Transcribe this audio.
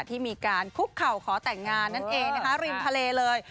ที่มีการคุกเข่าขอแต่งงานนั่นเองนะคะริมทะเลเลย